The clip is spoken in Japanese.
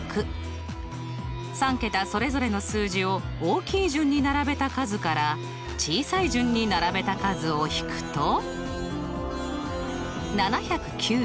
３けたそれぞれの数字を大きい順に並べた数から小さい順に並べた数を引くと７９２。